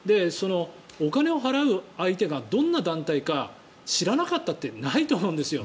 お金を払う相手がどんな団体か知らなかったってないと思うんですよ。